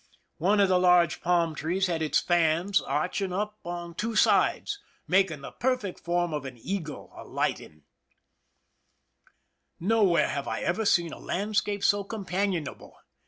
One of the large palm trees had its fans arching up on two sides, making the perfect form of an eagle alighting. Nowhere have I ever seen a landscape so compan ionable.